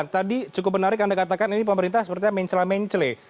tadi cukup menarik anda katakan ini pemerintah sepertinya mencela mencele